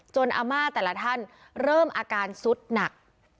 อาม่าแต่ละท่านเริ่มอาการสุดหนัก